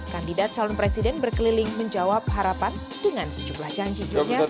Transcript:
kandidat calon presiden berkeliling menjawab harapan dengan sejumlah janji dunia